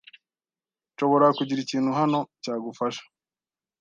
Nshobora kugira ikintu hano cyagufasha